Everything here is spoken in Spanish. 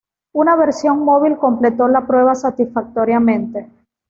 Una versión móvil completó la prueba satisfactoriamente.